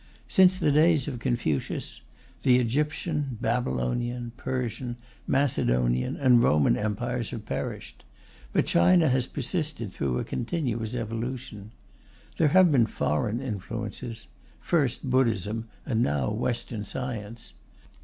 Since the days of Confucius, the Egyptian, Babylonian, Persian, Macedonian, and Roman Empires have perished; but China has persisted through a continuous evolution. There have been foreign influences first Buddhism, and now Western science.